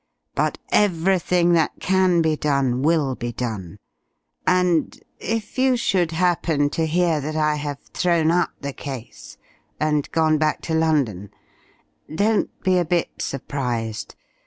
But everything that can be done, will be done. And if you should happen to hear that I have thrown up the case, and gone back to London, don't be a bit surprised.